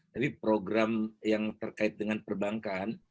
tapi program yang terkait dengan perbankan